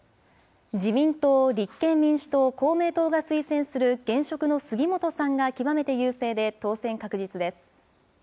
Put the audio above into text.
自民党、立憲民主党、公明党が推薦する現職の杉本さんが極めて優勢で当選確実です。